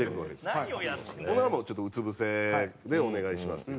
ほんなら、もう、ちょっとうつぶせでお願いしますと。